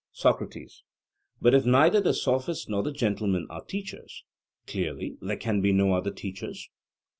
SOCRATES: But if neither the Sophists nor the gentlemen are teachers, clearly there can be no other teachers?